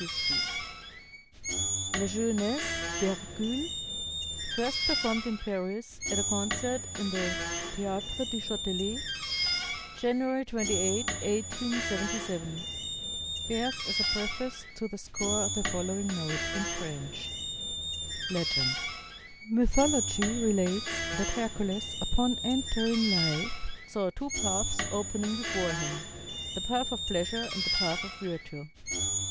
50 La Jeunesse d'Hercule, first performed in Paris, at a concert in the Théâtre du Châtelet, January 28, 1877, bears as a preface to the score the following note (in French): "LEGEND "Mythology relates that Hercules, upon entering life, saw two paths opening before him, the path of pleasure and the path of virtue.